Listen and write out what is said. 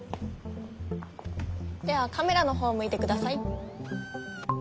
ではカメラの方を向いてください。